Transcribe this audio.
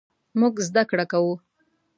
مونږ زده کړه کوو